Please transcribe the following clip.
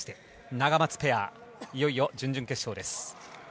ナガマツペアいよいよ準々決勝です。